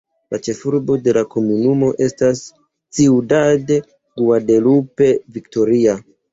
La ĉefurbo de la komunumo estas "Ciudad Guadalupe Victoria".